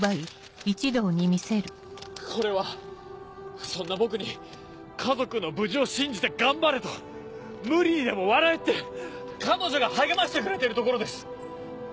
これはそんな僕に「家族の無事を信じて頑張れ」と「無理にでも笑え」って彼女が励ましてくれてるところです！